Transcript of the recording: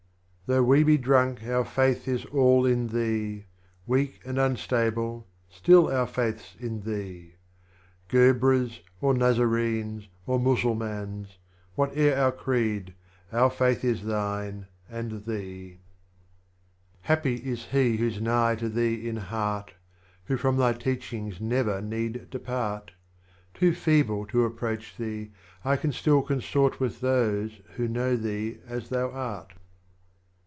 19. Though we be drunk, our Faith is all in Thee, Weak and Unstable, still our Faith's in Thee, Guebres, or Nazarenes, or Musulmans, Whate'er our Creed, our Faith is Thine, and Thee. THE LAMENT OF 20. Happy is he who 's nigh to Thee in heart, Who from Thy Teachings never need depart ; Too feeble to approach Thee, I can still Consort with Those who know Thee as Thou art.